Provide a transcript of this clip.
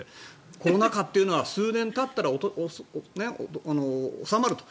コロナ禍っていうのは数年たったら収まると。